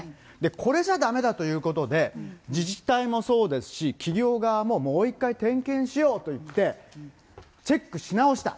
これじゃだめだということで、自治体もそうですし、企業側ももう一回点検しようといって、チェックし直した。